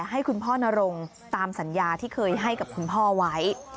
ให้คุณพ่อนรงตามสัญญาที่เคยให้กับคุณพ่อไว้